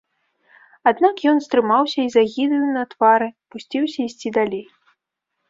Аднак ён стрымаўся і з агідаю на твары пусціўся ісці далей.